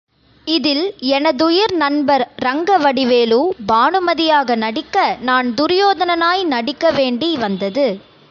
இதில் எனதுயிர் நண்பர் ரங்கவடிவேலு பானுமதியாக நடிக்க, நான் துரியோதனனாய் நடிக்க வேண்டி வந்தது.